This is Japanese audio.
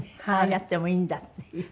何やってもいいんだっていう。